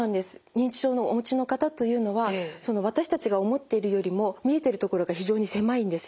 認知症のお持ちの方というのは私たちが思っているよりも見えてるところが非常に狭いんですね。